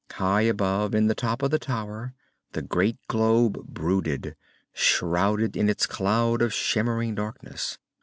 High above in the top of the tower the great globe brooded, shrouded in its cloud of shimmering darkness.